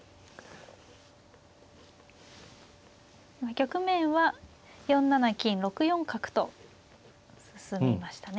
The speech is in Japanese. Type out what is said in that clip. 局面は４七金６四角と進みましたね。